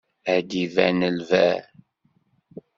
Ad d-iban lberr.